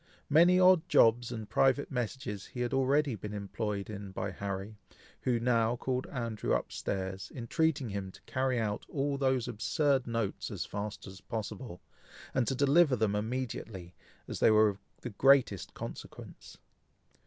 Many odd jobs and private messages he had already been employed in by Harry, who now called Andrew up stairs, entreating him to carry out all those absurd notes as fast as possible, and to deliver them immediately, as they were of the greatest consequence.